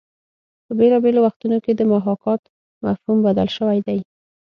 په بېلابېلو وختونو کې د محاکات مفهوم بدل شوی دی